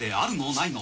ないの？